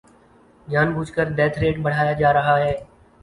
جان بوجھ کر death rate بڑھایا جا رہا ہے